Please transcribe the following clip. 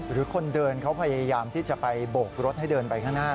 หรือคนเดินเขาพยายามที่จะไปโบกรถให้เดินไปข้างหน้า